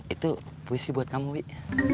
itu fuy si buat kamu wih